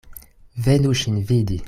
Venu ŝin vidi.